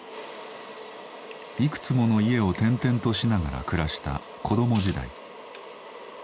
いくつもの家を転々としながら暮らした子ども時代。